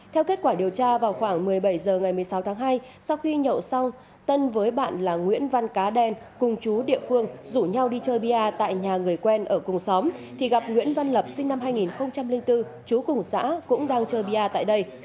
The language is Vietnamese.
theo kết quả điều tra vào khoảng một mươi bảy h ngày một mươi sáu tháng hai sau khi nhậu xong tân với bạn là nguyễn văn cá đen cùng chú địa phương rủ nhau đi chơi bia tại nhà người quen ở cùng xóm thì gặp nguyễn văn lập sinh năm hai nghìn bốn chú cùng xã cũng đang chơi bia tại đây